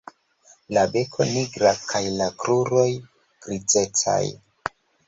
La beko nigra kaj la kruroj grizecaj.